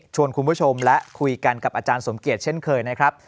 คุณผู้ชมและคุยกันกับอาจารย์สมเกียจเช่นเคยนะครับ